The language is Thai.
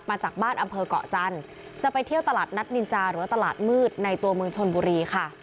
มาจากบ้านอำเภอกเกาะจันทร์จะไปเที่ยวตลาดนัดนินจาหรือว่าตลาดมืดในตัวเมืองชนบุรีค่ะ